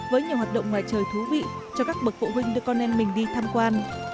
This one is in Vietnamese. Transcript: với nhiều hoạt động ngoài trời thú vị cho các bậc phụ huynh đưa con em mình đi tham quan